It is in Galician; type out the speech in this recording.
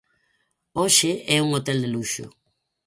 Hoxe é un hotel de luxo.